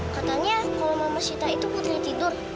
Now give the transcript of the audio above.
katanya kalau mama sita itu putri tidur